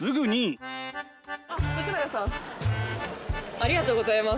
ありがとうございます！